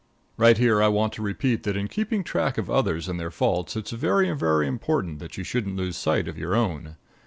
Right here I want to repeat that in keeping track of others and their faults it's very, very important that you shouldn't lose sight of your own.